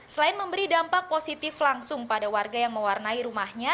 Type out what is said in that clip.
selain memberi dampak positif langsung pada warga yang mewarnai rumahnya